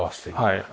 はい。